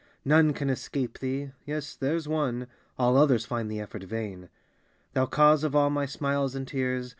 None can escape thee yes there s one All others find the effort vain : Thou cause of all my smiles and tears